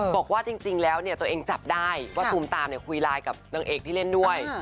บอกว่าจริงแล้วเนี่ยตัวเองจับได้ว่าซูมตามคุยไลน์กับนางเอกที่เล่นด้วย